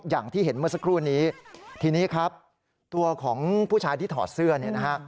อย่างที่เห็นเมื่อสักครู่นี้ทีนี้ครับตัวของผู้ชายที่ถอดเสื้อเนี่ยนะฮะ